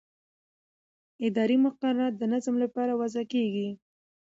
اداري مقررات د نظم لپاره وضع کېږي.